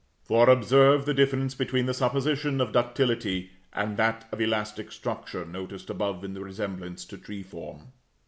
For, observe the difference between the supposition of ductility, and that of elastic structure noticed above in the resemblance to tree form.